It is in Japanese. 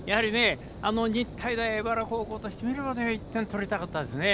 日体大荏原高校としてみれば１点取りたかったですね。